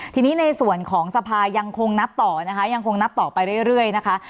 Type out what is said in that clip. ทีนี้ในส่วนของสภายังคงนับต่อนะคะยังคงนับต่อไปเรื่อยนะคะ